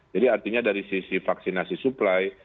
jadi artinya dari sisi vaksinasi supply